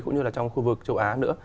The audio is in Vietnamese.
cũng như là trong khu vực châu á nữa